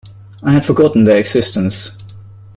I had forgotten their existence.